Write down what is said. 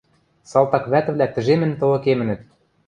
Салтак вӓтӹвлӓ тӹжемӹн тылыкемӹнӹт.